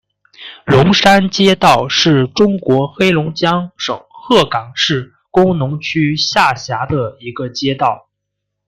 龙山街道是中国黑龙江省鹤岗市工农区下辖的一个街道。